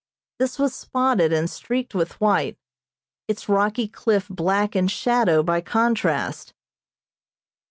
This was spotted and streaked with white, its rocky cliff black in shadow by contrast.